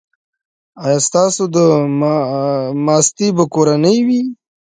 ایا ستاسو ماستې به کورنۍ وي؟